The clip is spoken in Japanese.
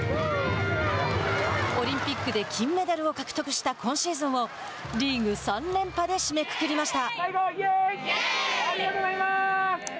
オリンピックで金メダルを獲得した今シーズンをリーグ３連覇で締めくくりました。